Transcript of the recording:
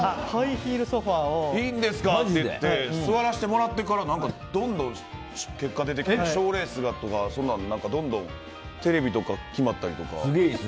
いいんですか？って言って座らせてもらってからどんどん結果が出てきて賞レースだとか、どんどんテレビとか決まったりとか。